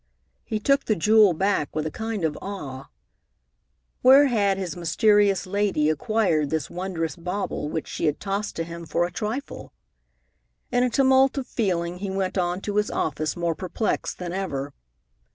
He took the jewel back with a kind of awe. Where had his mysterious lady acquired this wondrous bauble which she had tossed to him for a trifle? In a tumult of feeling, he went on to his office more perplexed than ever.